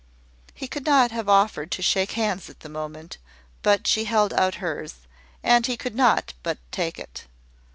He could not have offered to shake hands at the moment; but she held out hers, and he could not but take it.